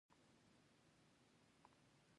یوې مفکورې څه ډول فرصت پیدا کولو ته زمینه برابره کړه